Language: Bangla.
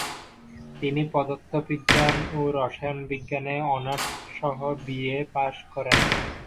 তিনি পদার্থবিজ্ঞান ও রসায়নবিজ্ঞানে অনার্স সহ বি.এ পাশ করেন।